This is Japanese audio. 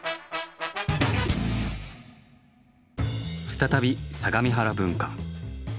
再び相模原分館。